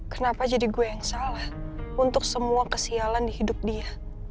kenapa jadi gue yang salah untuk semua kesialan di hidup dia